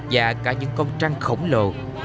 và cả những con rắn khổng lồ